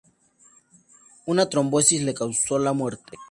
Una trombosis le causó la muerte.